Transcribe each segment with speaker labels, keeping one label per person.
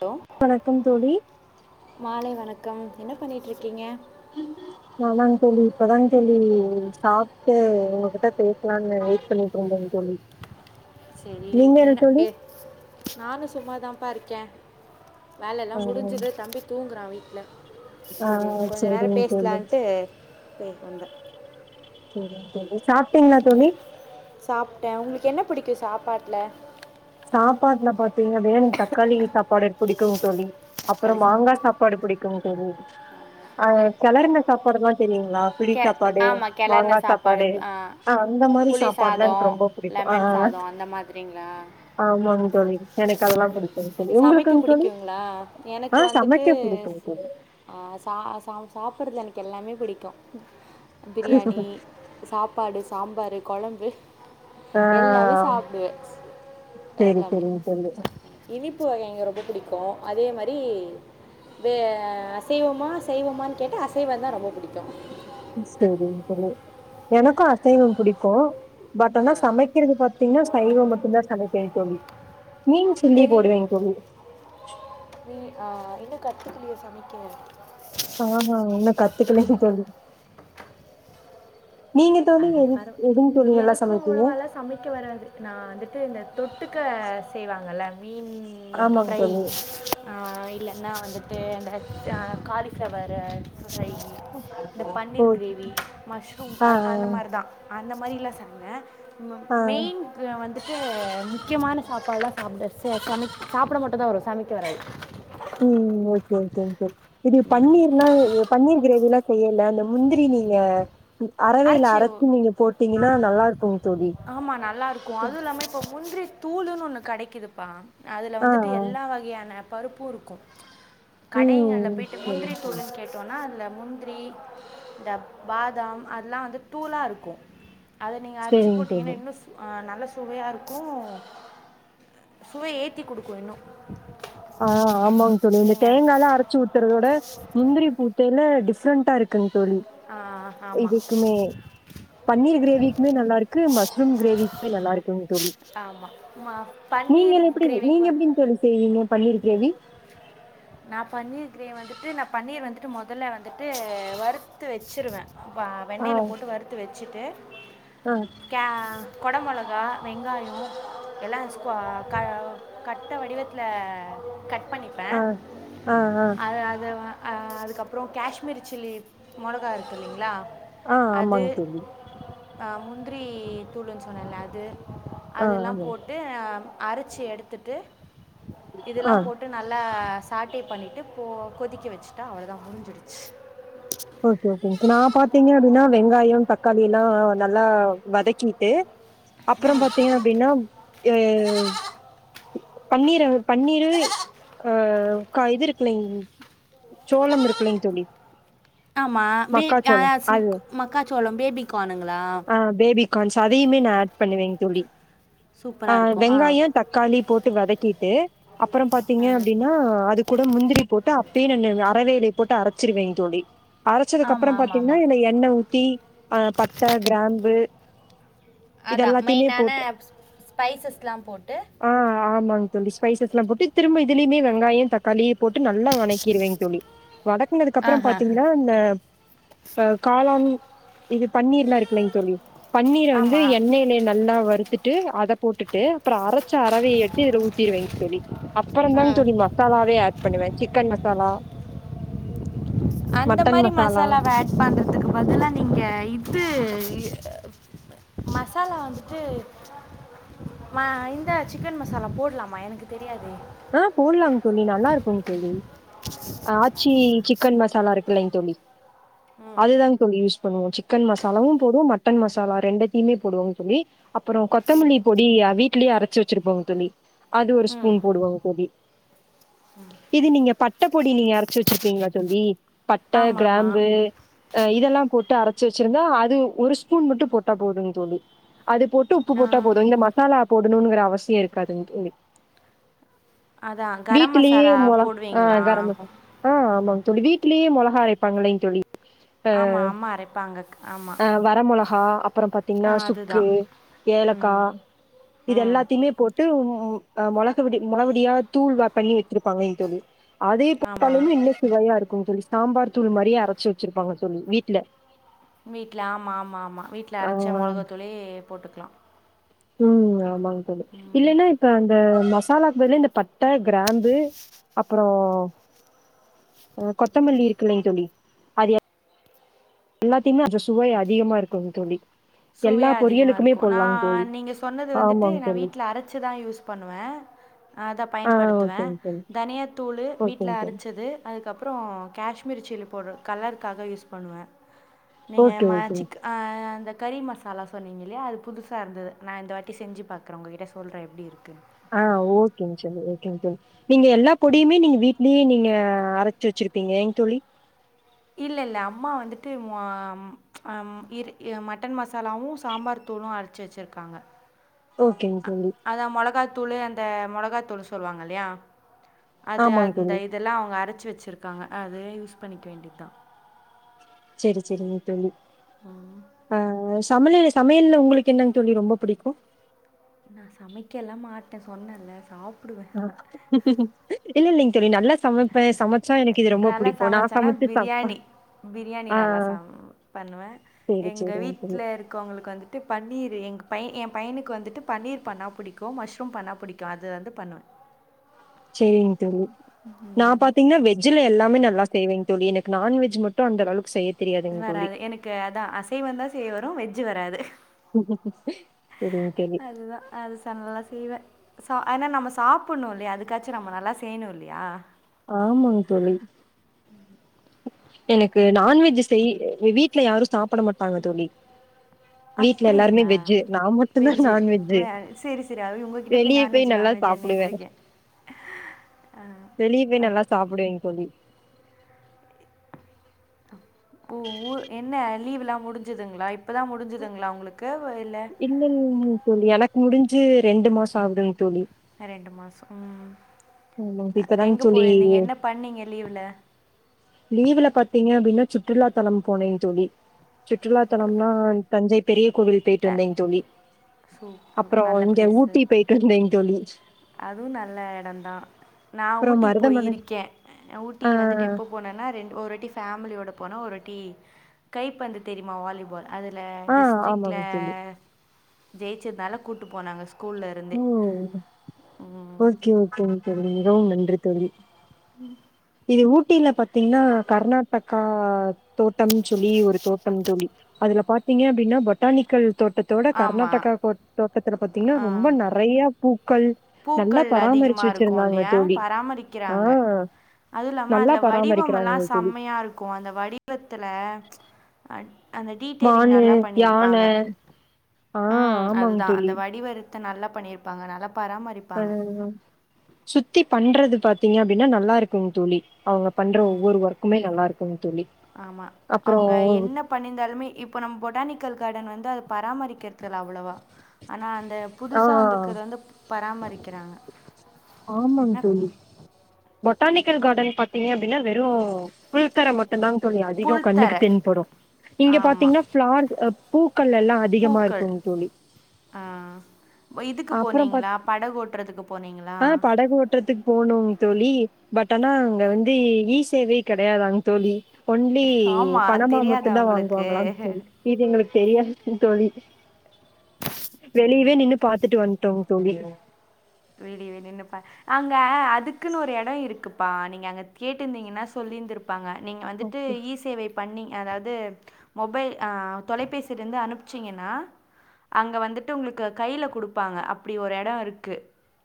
Speaker 1: Hello
Speaker 2: வணக்கம் தோழி
Speaker 1: மாலை வணக்கம் என்ன பண்ணிட்டு இருக்கீங்க
Speaker 2: இந்த நானாங்க தோழி இப்பதா தோழி சாப்ட்டு உங்ககிட்ட பேசலான்னு வெய்ட் இருவத் ரெண்டுதாங்க தோழி நீங்க என்ன தோழி
Speaker 1: நானு சும்மாதான்ப்பா இருக்கே வேலல்லா
Speaker 2: ஆ
Speaker 1: முடிஞ்சது தம்பி தூங்குறா வீட்ல
Speaker 2: ஆ
Speaker 1: செரி கொஞ்சோ நேர
Speaker 2: சேரிங்க தோழி
Speaker 1: பேசலான்ட்டு [unintelligible] வந்த
Speaker 2: சாப்ட்டீளா தோழி
Speaker 1: சாப்ட்ட உங்களுக்கு என்ன புடிக்கு சாப்பாட்ல
Speaker 2: சாப்பாடுல பாத்தீங்க வேணு தக்காளி சாப்பாடு பிடிக்கு தோழி அப்பற மாங்கா சாப்பா சாப்பாடு பிடிக்கு தோழி ஆ கிளர்னா சாப்பாடுனா தெரியு லா பிடி
Speaker 1: கெ
Speaker 2: சாப்பாடு
Speaker 1: ஆமாம் கிளறின
Speaker 2: மாங்கா சாப்பாடு அ அந்த மாரி
Speaker 1: புளி
Speaker 2: சாப்பாடுலா எனக்கு
Speaker 1: சாதம்
Speaker 2: ரொம்பப்
Speaker 1: லெமன் சாதோ அந்த மாதிரிங்களா
Speaker 2: ஆமாங் தோழி எனக்கு அதெல்லா பிடிச்சது தோழி
Speaker 1: சமைக்க
Speaker 2: உங்ளுக்குங்க தோழி
Speaker 1: பிடிக்குங்களா எனக்கு
Speaker 2: ஆ
Speaker 1: வந்துட்டு
Speaker 2: சமைக்க புடிக்கு தோ
Speaker 1: ஆ சா சாப்பறதுல எனக்கு எல்லாமே பிடிக்கு பிரியாணி சாப்பாடு சாம்பாரு கொழம்பு
Speaker 2: ஆ
Speaker 1: எல்லாமே சாப்டுவே
Speaker 2: சேரி
Speaker 1: எல்லாமே
Speaker 2: சேரிங்க தோழி
Speaker 1: இனிப்பு வகைங்க ரொம்ப பிடிக்கு அதே மாரி இது அசைவமா சைவமானு கேட்டா அசைவந் தா ரொம்ப புடிக்கு
Speaker 2: ம் செரிங்க தோழி எனக்கு அசைவோ புடிக்கு பட் ஆனா சமை கிறது பாத்தீங்கன்னா சைவ மட்டுதா சமைப்பே தோழி மீன் சில்லி
Speaker 1: ஏய்,
Speaker 2: போடுவேங் தோழி
Speaker 1: நீ ஆ இன்னு கத்துக்கலையோ சமைக்க
Speaker 2: ஆஹா இன்னு கத்துக்கலைங்க தோழி நீங்க தோழி
Speaker 1: அது
Speaker 2: எது
Speaker 1: பரவா
Speaker 2: எதுங்க தோழி நல்லா
Speaker 1: எனக்கு
Speaker 2: சமைப்பீங்க
Speaker 1: அவ்ளோல்லா சமைக்க வராது நா வந்துட்டு இந்த தொட்டுக்க செய்வாங்கள்ல மீன்
Speaker 2: ஆமாங்க
Speaker 1: ஃப்ரை
Speaker 2: தோழி
Speaker 1: ஆ இல்ல நா வந்துட்டு அந்த காலிஃப்ளவரு ஃப்ரையி இந்த
Speaker 2: ஓ
Speaker 1: பன்னீர் கிரேவி மஷ்ரூம்
Speaker 2: ஆ ஆ
Speaker 1: அது தா அந்த மாரிலா சொன்னே ம
Speaker 2: ஆ
Speaker 1: மெய்ன் அ வந்துட்டு முக்கியமான சாப்பாடுலா சாப்ட ச சமை சாப்ட மட்டுந்தா வரும் சமைக்க வராது
Speaker 2: ம் okay okay okay இது பன்னீர்னா அ பன்னீர் கிரேவில்லா செய்யல இந்த முந்திரி நீங்க அறவைல
Speaker 1: அரைச்சி
Speaker 2: அரச்சு நீங்க போட்டீங்கனா நல்லா இருக்கும்ங் தோழி
Speaker 1: ஆமா நல்லாருக்கு அதுவு இல்லாம இப்போ முந்திரி தூளுனு ஒண்ணு கெடைக்குதுப்பா அதுல
Speaker 2: ஆ
Speaker 1: வந்துட்டு
Speaker 2: ஆ
Speaker 1: எல்லா வகையான பருப்பு இருக்கு கடைங்கள்ல
Speaker 2: ம்
Speaker 1: போய்ட்டு முந்திரி
Speaker 2: சரிங்
Speaker 1: தூளுன் கேட் டோனா அதுல முந்திரி இந்த பாதாம் அதெல்லா வந்து தூளாருக்கு அத நீங்க அரச்சு
Speaker 2: எது
Speaker 1: சு அ நல்ல சுவையா இருக்கு சுவைய ஏத்தி குடுக்கு இன்னு
Speaker 2: ஆ ஆமாங்க தோழி இந்த தேங்காலா அரச்சி அரச்சு ஊத்துறதோட முந்திரி போட்டேலே டிஃப்ரெண்ட்டா இருக்குங் தோழி
Speaker 1: ஆமாம்
Speaker 2: இதுக்குமே பன்னீர் கிரேவிக்குமே நல்லாருக்கு மஷ்ரூம் கிரேவிக்குமே நல்லா இருக்குங் தோழி
Speaker 1: ஆமாம் பன்னீர்
Speaker 2: நீங்கள் எப்டி நீங்க
Speaker 1: கிரேவிக்கு
Speaker 2: எப்டிங் தோழி செய்வீங்க தோழி பன்னீர் க்ரேவி
Speaker 1: நா பண்ணி கிரேவ் வந்துட்டு நா பன்னீர் வந்துட்டு முதல்ல வந்துட்டு டு வறுத்து வச்சருவே அப்ப
Speaker 2: ஆ
Speaker 1: வெண்ணைல போட்டு வறுத்து வச்சுட்டு
Speaker 2: ஆ
Speaker 1: கே கொட மொளகா வெங்காயோ எல்லா வஸ்குவா கௌ கட்ட வடிவத்தில கட் பண்ணிப்பே
Speaker 2: ஆ ஆ ஆ
Speaker 1: அத அத வ அ அதுக்கப்பறோ காஷ்மீரி சில்லி மொளகா இருக்கு இல்லைங்களா
Speaker 2: ஆ
Speaker 1: அது
Speaker 2: ஆமாங் தோழி
Speaker 1: அ முந்திரி தூளுன்னு சொன்னேல அது
Speaker 2: ஆ
Speaker 1: அதல்லா
Speaker 2: ஆமாங்
Speaker 1: போட்டு அரச்ச எடுத்து இதெல்லா
Speaker 2: ஆ
Speaker 1: போட்டு நல்லா சாட்டே பண்ணிட்டு போ கொதிக்க வச்சுட்டா அவ்ளோதா முடிஞ்சிருச்சு
Speaker 2: ஓகே ஓகேங் நா பாத்தீங்க அப்டினா வெங்காயோ தக்காளி எல்லா அ நல்லா வதக்கிட்டு அப்றம் பாத்தீங்க அப்டினா அ பன்னீர பன்னீரு ஆ க இது இருக்குலிங் சோளம் இருக்குலைங் தோழி
Speaker 1: ஆமா பே ஆ
Speaker 2: மக்காச்சோளம் அது
Speaker 1: சுக் மக்காச்சோளம் பேபி கானுங்களா
Speaker 2: அ பேபி கான்ஸ் அதையுமே நா அட் பண்ணுவங் தோழி ஆ
Speaker 1: சூப்பராக இருக்கும்
Speaker 2: வெங்காயோ தக் தக்காளி போட்டு வதக்கிட்டு அப்புறம் பாத்தீங்க
Speaker 1: ம்
Speaker 2: அப்டின்னா அது கூட முந்திரி போட்டு அப்பயே நா அரவேலைய போட்டு அரைச்சிருவேங்க தோழி அரைச்சதுக்கு
Speaker 1: ஆமாம்
Speaker 2: அப்புறம்
Speaker 1: ஆமாம்
Speaker 2: பாத்தீங்கன்னா
Speaker 1: ஆமாம்
Speaker 2: இல்ல எண்ணெய் ஊத்தி அ பட்ட கிராம்பு இது
Speaker 1: அதான்
Speaker 2: எல்லாத்தையுமே
Speaker 1: மெயினான
Speaker 2: போட்டு
Speaker 1: ஸ்பைஸஸ்லாம் போட்டு
Speaker 2: ஆ ஆமாங்க தோழி ஸ்பைசஸ் எல்லா போட்டு திரும்ப இதுலேயு வெங்காயோ தக்காளி போட்டு நல்லா வணக்கிருவங் தோழி வதக்குனதுக்கு அப்புற
Speaker 1: ஆஹா
Speaker 2: பாத்தீங்கன்னா இந்த அ காளான் இது பண்ணி ர்லா இருக்குலைங்க தோழி பன்னீர வந்து
Speaker 1: ஆமாம்
Speaker 2: எண்ணெயில நல்லா வறுத் த்துட்டு அத போட்டுட்டு அப்புறோ அரச்ச அரவைய எடுத்து இதுல ஊத்திருவேங்க தோழி அப்பறந்தா
Speaker 1: ம்
Speaker 2: தோழி மசாலாவே ஆட் பண்ணுவே சிக்கன் மசாலா
Speaker 1: அந்த
Speaker 2: மட்டன்
Speaker 1: மாரி
Speaker 2: மசாலா
Speaker 1: மசாலாவ ஆட் பண்றதுக்கு பதிலா நீங்க இது மசாலா வந்துட்டு மா இந்த சிக்கன் மசாலா போட்லாமா எனக்கு தெரியாதே
Speaker 2: ஆ போடலாங் தோழி நல்லா இருக்கு தோழி ஆச்சி சிக்கன் மசாலா இருக்கிலைங் தோழி
Speaker 1: ம்
Speaker 2: அதுதாங் தோழி யூஸ் பண்ணுவோ சிக்கன் மசாலாவும் போடுவோ மட்டன் மசாலா ரெண்டுத்தையுமே போடுவோம் தோழி அப்பறோ கொத்தமல்லி பொடி வீட்லேயே அரைச்சு வெச்சுருப்போங்க தோழி அது ஒரு
Speaker 1: ம்
Speaker 2: ஸ்பூன் போடுவாங் பொடி இது நீங்க பட்ட பொடி நீங்க அரைச்சி வெச்சிருப்பீங்ளா தோழி பட்ட
Speaker 1: ஆமாம் ஆமாம்
Speaker 2: கிராம்பு அ இதெல்லா போட்டு அரைச்சி வச்சிருந்தா அது ஒரு ஸ்பூன் மட்டு போட்டா போதுங்கு தோழி அது போட்டு போட்டு உப்பு போட்டா
Speaker 1: நான்
Speaker 2: போதும் இந்த மசாலா போடணும்முங்குற அவசியோ இருக்காதுங்க தோழி
Speaker 1: அதான் கரம்
Speaker 2: வீட்டுலையே
Speaker 1: மசாலா
Speaker 2: மொள ஆ
Speaker 1: போடுவீங்களா
Speaker 2: கரமசலா ஆ ஆமாங்க தோழி வீட்லயே மொளகா அரைப்பாங்லைங் தோழி அ
Speaker 1: ஆமாம் அம்மா அரைப்பாங்க ஆமாம்
Speaker 2: ஆ வர மொளகா அப்பறோ பத்தீங்கன்னா
Speaker 1: ஆ
Speaker 2: சுக்கு
Speaker 1: அதுதான்
Speaker 2: ஏலக்கா
Speaker 1: ம்
Speaker 2: இது
Speaker 1: ம்
Speaker 2: எல்லாத்தையுமே போட்டு் ம் மெளகுவெடி மொளவெடியா போட்டு தூள்வ பண்ணி வச்சிருப்பாங்கன்னு தோழி அதே
Speaker 1: ஆமாம்
Speaker 2: பாத்தாலுமே இன்னே சுவையா இருக்கும் தோழி சாம்பார் தூள் மாரியே அரைச்சு வெச்சிருப்பாங்க தோழி வீட்ல
Speaker 1: வீட்ல ஆமாம ஆமா ஆமா வீட்ல அரைச்ச
Speaker 2: ஆ
Speaker 1: மொளகாதூளே போட்டுக்கலா
Speaker 2: உம் ஆமாங்க தோழி இல்ல னா இப்ப அந்த மசாலாக்கு பதிலு இந்த பட்ட கிராம்பு அப்றோ கொத்தமல்லி இருக்குல்லலைங்க தோழி அது எல்லாத்தையுமே அந்த சுவை அதிகமா இருக்குங் தோழி
Speaker 1: சுவை
Speaker 2: எல்லா
Speaker 1: அதிகமாக
Speaker 2: பொரியலுக்குமே
Speaker 1: இருக்கு நா
Speaker 2: போடலாங்க தோழி.
Speaker 1: நீங்க சொன்னது வந்துட்டு
Speaker 2: ஆமாங்க
Speaker 1: நா
Speaker 2: தோழி.
Speaker 1: வீட்ல அரைச்சிதா யூஸ் பண்ணுவே அத
Speaker 2: ஆ
Speaker 1: பயன்படுத்துவே
Speaker 2: ஓகேங்க தோழி.
Speaker 1: தனியா தூளு வீட்ல
Speaker 2: ஓகேங்க தோழி.
Speaker 1: அரச்சது அதுக்கப்றோ காஷ்மீரி சில்லி பவுடரு கலருக்காக யூஸ் பண்ணுவே நீங்க
Speaker 2: ஓகே,
Speaker 1: மே
Speaker 2: ஓகேங்க.
Speaker 1: சிக் ஆ அ அ அந்தத் கறி மசாலா சொன்னீங்க இல்லையா அது புதுசா இருந்தது நா இந்த வாட்டி செஞ்சு பாக்கறே உங்ககிட்ட சொல்ற எப்டி இருக்குன்னு
Speaker 2: ஆ ஓகேங்க தோழி ஓகேங்க சொ நீங்க எல்லா பொடியுமே நீங்க வீட் லீ நீங்க அரைச்சி வெச்சிருப்பிங்கலைங் தோழி
Speaker 1: இல்லல்ல அம்மா வந்துட்டு மோ இருக் மட்டன் மசாலாவும் சாம்பார் தூளும் அது ஜேச்சிருக்காங்க
Speaker 2: ஓகேங்க தோழி.
Speaker 1: அதா மொளகாத்தூளு அந்த மொளகாத்தூளு சொல்லுவாங்க இல்லையா அது
Speaker 2: ஆமாங்க
Speaker 1: அந்த
Speaker 2: தோழி.
Speaker 1: இதெல்லா அவங்க அரைச்சி வச்சிருக்காங்க அதே யூஸ் பண்ணிக்க வேண்டியது தா
Speaker 2: செரி செரிங்க தோழி ஆ சமளி ரைஸ் சமையல்ல உங்களுக்கு என்னங்க தோழி ரொம்ப பிடிக்கு
Speaker 1: நா சமைக்கல்லா மாட்டே சொன்னேல்ல சாப்புடுவே
Speaker 2: இல்ல இல்லைங் தோழி நல்லா சமைப்பே சமைச்சா எனக்கு இது ரொம்ப
Speaker 1: நல்லா
Speaker 2: புடிக்கு நா
Speaker 1: சமைச்சேன்னா
Speaker 2: சமைச்சு சாப்பா
Speaker 1: பிரியாணி பிரியாணி நல்லா ச பண்ணுவே
Speaker 2: சேரி
Speaker 1: எங்க
Speaker 2: சேரிங்க தோழி.
Speaker 1: வீட்ல இருக் க்கோவ்ங்களுக்கு வந்துட்டு பன்னீர் எங் பைய எ பையனுக்கு வந்துட்டு பன்னீர் பண்ணா புடிக்கு மஷ்ரூம் பண்ணா புடிக் க்காது வந்து பண்ணுவே
Speaker 2: செரிங்க தோழி நா பாத்தீங்கன்னா வெ வெஜ்ல எல்லாமே நல்லா செய்வேங் தோழி எனக்கு நான்வெஜ் மட்டு அந்தளவுக்கு செய
Speaker 1: ஜ் வராது எனக்கு அதா அசைவந்தா செய்ய வரு வெஜ் வராது
Speaker 2: செரி ஓகே ழி
Speaker 1: அதுதான் அது சா நல்லா செய்வே சா ஏனா நம்ம சாப்புட்ணு இல்லையா அதுக்காச்சு நம்ம நல்லா செய்யணு இல்லியா
Speaker 2: ஆமாங் தோழி எனக்கு நான்வெஜ் செய் வீட்ல யாரு சாப்ட மாட்டாங்க தோழி வீட்டல எல்லாருமே
Speaker 1: அப்படிங்களா
Speaker 2: வெஜ்ஜு நா மட்டுந்தா
Speaker 1: வெஜ்ஜு
Speaker 2: நான்வெஜ்ஜ
Speaker 1: வே சரி சரி அது உங்ககிட்ட
Speaker 2: வெளியே
Speaker 1: நான்வெஜ்
Speaker 2: போய் நல்லா
Speaker 1: நான்வெஜ்ஜுன்னுட்டு
Speaker 2: சாப்புடுவ [inaudible]
Speaker 1: இருக்கேன் [inaudible]
Speaker 2: வெளிய போய் நல்லா சாப்டுவேங்க தோழி
Speaker 1: ஓ ஊ என்ன லீவ்ல்லா முடிஞ்சுதுங்களா இப்பதா முடிஞ்சுதுங்களா உங்களுக்கு போயல
Speaker 2: இல்ல இல்லங்க தோழி எனக்கு முடிஞ்சு ரெண்டு மாச ஆகுதுங்கு தோழி
Speaker 1: ஆ ரெண்டு மாச ம்
Speaker 2: ஆமாங்க
Speaker 1: ஆ
Speaker 2: இப்பதாங்க
Speaker 1: எங்கே
Speaker 2: தோழி
Speaker 1: போயிருந்தீங்க என்ன பண்ணீங்க லீவ்ல
Speaker 2: லீவுல பாத்தீங்க அப்டின்னா சுற்றுலாத்தலம் போனேங்க தோழி சுற்றுலாத்தலம்னா தஞ்சை பெரிய கோவில் போயிட்டு
Speaker 1: த
Speaker 2: வந்தேங் தோழி அப்புற
Speaker 1: சூப்பர் நல்ல
Speaker 2: இங்க ஊட்டி போயிட்டு வந்தேங் தோழி
Speaker 1: அதுவு நல்ல எடந்தா நா
Speaker 2: அப்புறோ
Speaker 1: ஊட்டி
Speaker 2: மருதமலை
Speaker 1: போய்ருக்கே ஊட்டி
Speaker 2: ஆ
Speaker 1: வந்துட்டு எப்போ போனேன்னா ரெண்டு ஒருட்டி ஃபேமிலியோட போனா ஒருட்டி கைப் பந்து தெரியுமா வாலிபால் அதுல
Speaker 2: ஆ
Speaker 1: டிஸ்ட்ரிக்ல
Speaker 2: ஆமாங்க தோழி
Speaker 1: ஜெயிச்சதுனால கூட்டு போனாங்க ஸ்கூல்ல இருந்தே
Speaker 2: ஓ ஓகே ஓகேங்க தோழி மிகவும் நன்றிங்க தோழி
Speaker 1: ம்
Speaker 2: இது ஊட்டில பாத்தீங்கன்னா கர்நாடகா தோட்டம்னு சொல்லி ஒரு தோட்டம் தோழி அதுல பாத்தீங்க அப்டின்னா பொட்டானிக்கல் தோட்டத்தோட
Speaker 1: ஆமாம்
Speaker 2: கர்நாடகா கோட் தோட்டத்துல பாத்தீங்கன்னா ரொம்ப நெறைய பூக்கள் நல்லா
Speaker 1: பூக்கள் அதிகமா
Speaker 2: பராமரிச்சு
Speaker 1: இருக்கு
Speaker 2: வச்சிருந்தாங்க
Speaker 1: இல்லையா
Speaker 2: தோழி
Speaker 1: பராமரிக்கிறாங்க
Speaker 2: ஆ
Speaker 1: அதுவு இல்லாம
Speaker 2: நல்லா
Speaker 1: அதுல வடிவம் எல்லா
Speaker 2: பராமரிக்கிறாங்க தோழி
Speaker 1: செம்மையா இருக்கும் அந்த வடிவத்துல ஆ அந்த டீட்டெய்லிங்
Speaker 2: மானு
Speaker 1: நல்லா
Speaker 2: யான
Speaker 1: பண்ணிருப்பாங்க
Speaker 2: ஆ
Speaker 1: ம்
Speaker 2: ஆமாங்க
Speaker 1: அதுதா
Speaker 2: தோழி
Speaker 1: அந்த வடிவரு த்த நல்லா பண்ணிருப்பாங்க நல்லா பராமரிப்
Speaker 2: ஆ அதுதா சுத்தி பண்றது பாத்தீங்க அப்டின்னா நல்லா இருக்குங்க தோழி அவுங்க பண்ற
Speaker 1: ம்.
Speaker 2: ஒவ்வொரு ஒர்க்குமே நல்லா இருக்குங்க தோழி
Speaker 1: ஆமா
Speaker 2: அப்றோ
Speaker 1: அவுங்க என்ன பண்ணிருந்தாலுமே இப்ப நம்ம பொட்டானிக்கல் கார்டன் வந்து அது பராமரிக்கிறதுல் அவ்வளவா ஆனா அந் இந்த
Speaker 2: ஆ
Speaker 1: புதுசா வந்துருக்கறத வந்து பராமரிக்கிறாங்க
Speaker 2: ஆமாங்க
Speaker 1: ஆனா,
Speaker 2: தோழி பொட்டானிக்கல் கார்டன் பார்த்தீங்க அப்டின்னா வெறும் ஃபுல் தர மட் ட்டங் தா தோழி அதிக
Speaker 1: புல்தரை.
Speaker 2: கண்ணுக்கு தென் படு இங்க
Speaker 1: ஆமா.
Speaker 2: பாத்தீங்கன்னா ஃபிளார் ஆ பூக்கள் எல்லா அதிகமா
Speaker 1: பூக்கள்.
Speaker 2: இருக்குங்க தோழி
Speaker 1: ஆ இதுக்கு
Speaker 2: அப்றோ பாத்
Speaker 1: போனீங்களா படகு ஓட்டுறதுக்கு
Speaker 2: ஆ படகு ஓட் ட்றத்துக்கு போனும் தோழி பட் ஆனா அங்க வந்து இ சேவை கெடையாதாங் தோழி ஒன்லி
Speaker 1: ஆமா. அது
Speaker 2: பணமா
Speaker 1: தெரியாதா
Speaker 2: மட்டுந்தா
Speaker 1: உங்களுக்கு?
Speaker 2: வாங்குவாங்களான்னு தோழி இது எங்களுக்கு தெரியாது தோழி வெளியவே நின்னு பாத்துட்டு வந்துட்டோ தோழி
Speaker 1: வெளியவே நின்னுப்பா அங்க அதுக்குன்னு ஒரு எடொ இருக்குப்பா நீங்க அங்க கேட்டுயிருந்தீங்கன்னா சொல்லியிருந்து பாங்க நீங்க வந்துட்டு
Speaker 2: ஓகே
Speaker 1: இ சேவை பண்ணிங் அதாவ்து மொபைல் அ தொலைபேசிலிந்து அனுப்ச்சீங்கன்னா அங்க வந்துட்டு உங்குளுக்கு கைல குடுப்பாங்க அப்டி ஒரு எடொ இருக்கு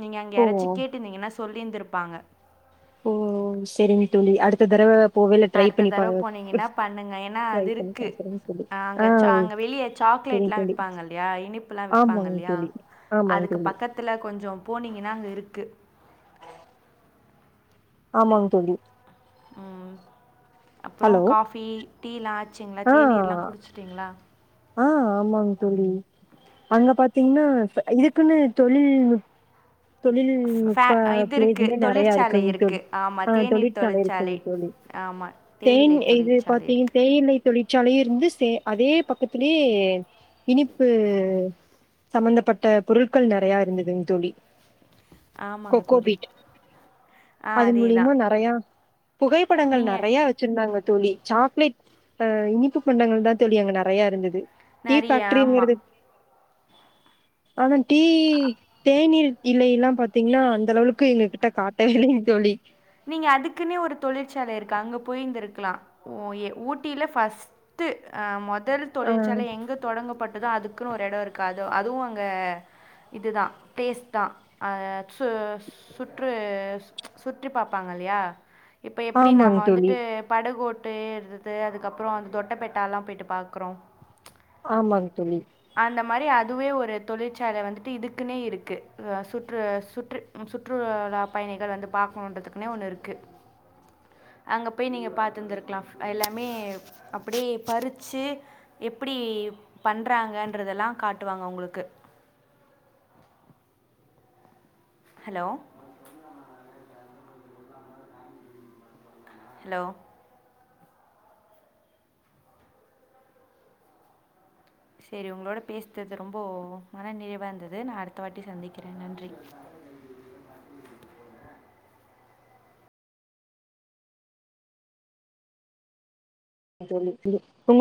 Speaker 1: நீங்க அங்க
Speaker 2: ஓ
Speaker 1: யாராச்சி கேட்டு இருந்தீங்கன்னா சொல்லியிந்திருப்பாங்க
Speaker 2: ஓ செரிங்க தோழி அடுத்த தடவ போவேல ட்ரை
Speaker 1: அடுத்த
Speaker 2: பண்ணி பா
Speaker 1: தடவ போனீங்கன்னா பண்ணுங்க ஏன்னா
Speaker 2: ட்ரை
Speaker 1: அது
Speaker 2: பண்ணி
Speaker 1: இருக்கு
Speaker 2: பாக்குறேங் தோழி
Speaker 1: அங்க
Speaker 2: ஆ
Speaker 1: சா
Speaker 2: ஓ
Speaker 1: அங்க வெளிய
Speaker 2: செரிங்
Speaker 1: சாக்லேட்லா
Speaker 2: தோழி
Speaker 1: விப்பாங்க இல்லயா இனிப்புலா விப்பாங்க
Speaker 2: ஆமாங்
Speaker 1: இல்லயா
Speaker 2: தோழி ஆமாங்
Speaker 1: அதுக்கு
Speaker 2: தோழி
Speaker 1: பக்க த்துல கொஞ்சோ போனீங்கன்னா அங்க இருக்கு
Speaker 2: ஆமாங் தோழி
Speaker 1: ம் அப்றோ
Speaker 2: ஹலோ
Speaker 1: காஃபி டீலா ஆச்சுங்களா
Speaker 2: ஆ
Speaker 1: தேநீர்லா குடிச்சுட்டிங்களா
Speaker 2: ஆ ஆமாங் தோழி அங்க பாத்தீங்ன்னா இதுக்குன்னு தொழில் நுட் தொழில்
Speaker 1: ஃபே
Speaker 2: நுட்ப
Speaker 1: இது இருக்குது
Speaker 2: ப்ளேஸ்னே நறையா
Speaker 1: தொழிற்சாலை
Speaker 2: இருக்குங் தோழி
Speaker 1: இருக்குது ஆமாம்
Speaker 2: ஆ
Speaker 1: தேநீர்
Speaker 2: தொழிற்சாலை இருக்குங் தோழி
Speaker 1: ஆமாம்
Speaker 2: தேன்
Speaker 1: தேயிலை
Speaker 2: இது
Speaker 1: தொழிற்சாலை
Speaker 2: பாத்தீங்
Speaker 1: இருக்குது
Speaker 2: தேயிலை தொழிற்சாலையு இருந்து சே அதே பக்கத்துலே இனிப்பு சம்மந்தப்பட்ட பொருள்கள் நறையா இருந்துதுங் தோழி
Speaker 1: ஆமாங்க தோழி
Speaker 2: கொக்கோபீட்
Speaker 1: ஆ
Speaker 2: அது
Speaker 1: அதே
Speaker 2: மூல்யமா
Speaker 1: தான்
Speaker 2: நறையா புகைப்படங்கள்
Speaker 1: நீங்கள்
Speaker 2: நறையா வெச்சிருந்தாங்க தோழி சாக்லேட் அ இனிப்பு பண்டங்கள் தா தோழி அங்க நறையா இருந்துது டீ
Speaker 1: நிறைய ஆமாம்
Speaker 2: ஃபேக்ரிங்கெறது ஆனா டீ தேநீர் இலைல்லா பாத்தீங்கன்னா அந்த அளவுலுக்கு எங்ககிட்ட காட்டவே இல்லங் தோழி
Speaker 1: நீங்க அதுக்குன்னே ஒரு தொழிற்சாலை இருக்கு அங்க போய்ருந்துயிருக்கலா ஓ ஏ ஊட்டில ஃபஸ் ட்டு அ மொதல்
Speaker 2: ஆ
Speaker 1: தொழில்சாலை எங்கு தொடங்கப்பட்டதோ அது அதுக்குனு ஒரு எடொ இருக்கு அது அதுவு அங்க இது தா டேஸ்ட் தா அ சு சுற்று சு ற்று பாப்பாங்க இல்லயா இப்ப எப்டி நாம
Speaker 2: ஆமாங்க தோழி
Speaker 1: வந்துட்டு படகோட்டு ருது அதுக்கப்பறோ அந்த தொட்ட பெட்டாலா போய்ட்டு பாக்கறோ
Speaker 2: ஆமாங் தோழி
Speaker 1: அந்த மாரி அதுவே ஒரு தொழிற்சாலே வந்துட்டு இதுக்குன்னே இருக்கு அ சுற்று சுற்று ம் சுற்றுலா பயணிகள் வந்து பாக்கணுன்றதுக்னே ஒன்னு இருக்கு அங்க போய் நீங்க பாத்துருந்து இருக்கலாம் எல்லாமே அப்டியே பறுச்சு எப்டி பண்றாங்கன்றதல்லா காட்டுவாங்க உங்குளுக்கு ஹலோ ஹலோ செரி உங்களோட பேச்த்தது ரொம்போ மன நிறைவா இருந்துது நா அடுத்த வாட்டி சந்திக்கிற நன்றி
Speaker 2: ஆ தோழி இது ஒங்கெள